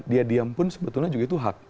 dia diam pun sebetulnya juga itu hak